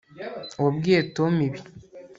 Wabwiye Tom ibi